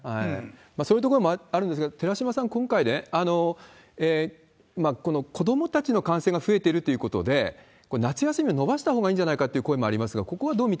そういうところもあるんですが、寺嶋さん、今回ね、子どもたちの感染が増えているということで、夏休みを延ばしたほうがいいんじゃないかっていう声があるんです